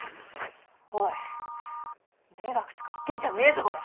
おい迷惑とか言ってんじゃねえぞこら。